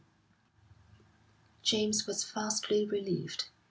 XIX James was vastly relieved.